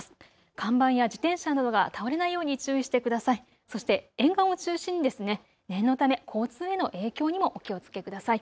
看板や自転車などが倒れないように注意してください。